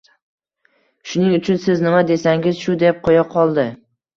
Shuning uchun siz nima desangiz shu deb qo`ya qoldi